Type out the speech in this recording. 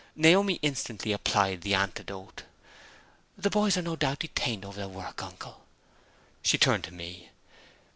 Naomi instantly applied the antidote: "The boys are no doubt detained over their work, uncle." She turned to me.